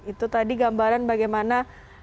itu tadi gambaran bagaimana